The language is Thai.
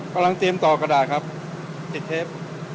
กำลังเตรียมต่อกระดาษครับติดเทป